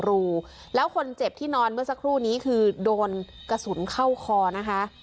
รูแล้วคนเจ็บที่นอนเมื่อสักครู่นี้คือโดนกระสุนเข้าคอนะคะ